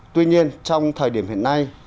tuy nhiên trong thời điểm hiện nay